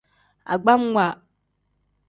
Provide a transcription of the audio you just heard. Agbamwa.